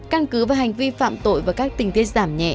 căn cứ về hành vi phạm tội và các tinh tiết giảm nhẹ